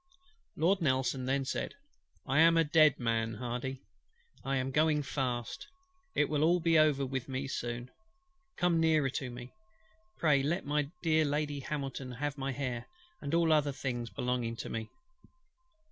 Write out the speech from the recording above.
Lord NELSON then said: "I am a dead man, HARDY. I am going fast: it will be all over with me soon. Come nearer to me. Pray let my dear Lady HAMILTON have my hair, and all other things belonging to me."